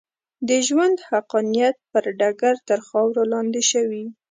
د ژوند حقانیت پر ډګر تر خاورو لاندې شوې.